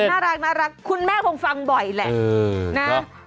น่ารักคุณแม่คงฟังบ่อยแหละนะ